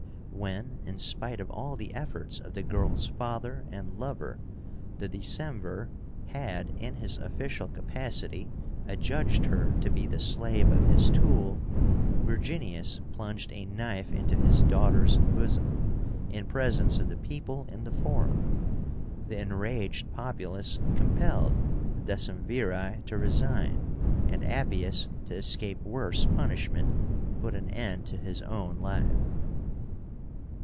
When, in spite of all the efforts of the girl's father and lover, the Decemvir had, in his official capacity, adjudged her to be the slave of his tool, Virginius plunged a knife into his daughter's bosom, in presence of the people in the Forum. The enraged populace compelled the Decemviri to resign, and Appius, to escape worse punishment, put an end to his own life.